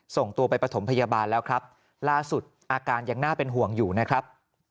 ส่งตัวไปประถมพยาบาลแล้วครับล่าสุดอาการยังน่าเป็นห่วงอยู่นะครับ